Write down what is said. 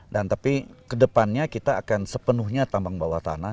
dan tapi kedepannya kita akan sepenuhnya tambang bawah tanah